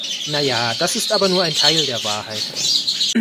Naja, das ist aber nur ein Teil der Wahrheit.